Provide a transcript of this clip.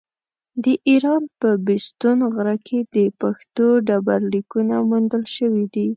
د ايران په بېستون غره کې د پښتو ډبرليکونه موندل شوي دي.